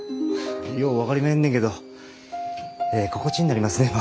よう分かりまへんねんけどええ心地になりますねんわ。